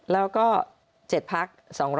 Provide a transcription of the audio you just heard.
แล้วก็๗พัก๒๔๕